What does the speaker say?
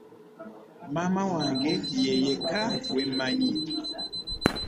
Maama wange ye yekka gwe mmanyi.